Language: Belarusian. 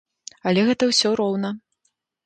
Але гэта ўсё роўна.